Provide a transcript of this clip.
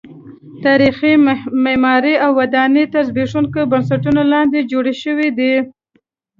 تاریخي معمارۍ او ودانۍ تر زبېښونکو بنسټونو لاندې جوړې شوې دي.